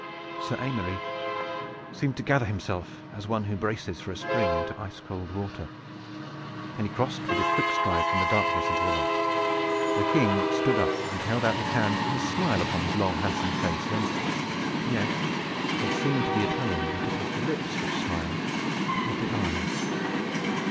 Sir Aymery seemed to gather himself as one who braces for a spring into ice cold water. Then he crossed with a quick stride from the darkness into the light. The King stood up and held out his hand with a smile upon his long handsome face, and yet it seemed to the Italian that it was the lips which smiled but not the eyes.